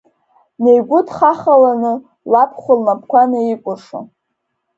Днеигәыдхахаланы лабхәа лнапқәа наикәыршо.